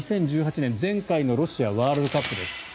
２０１８年前回のロシアワールドカップです。